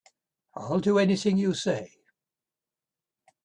I'll do anything you say.